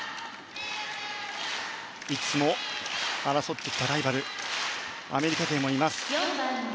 いつも争ってきたライバルアメリカ勢もいます。